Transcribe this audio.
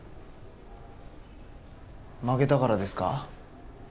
負けたからですか？